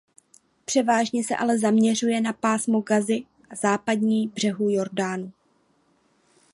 Převážně se ale zaměřuje na Pásmo Gazy a Západní břeh Jordánu.